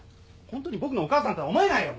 ホントに僕のお母さんとは思えないよ。